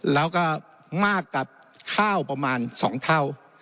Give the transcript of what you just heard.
แล้วก็มากกว่าข้าวประมาณ๒เท่า